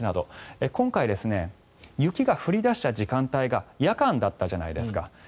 今回、雪が降り出した時間帯が夜間だったじゃないですか。